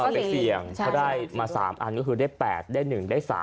ไปเสี่ยงเพราะได้มา๓อันก็คือได้๘ได้๑ได้๓